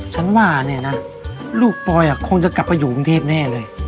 ฉันว่าเนี่ยนะลูกปอยคงจะกลับไปอยู่กรุงเทพแน่เลย